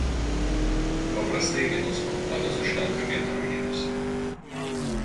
Paprastai vienos pakuotės užtenka vienam mėnesiui.